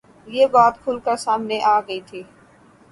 یہ بات کُھل کر سامنے آ گئی تھی